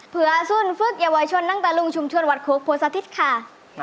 เผื่อสุดอย่าไว้ชวนนั่งแต่ลุงชุมชวนวัดคุกพวงสาธิตค่ะ